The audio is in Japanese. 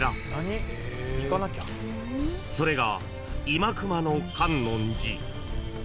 ［それが］